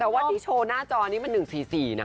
แต่ว่าที่โชว์หน้าจอนี้มัน๑๔๔นะคะ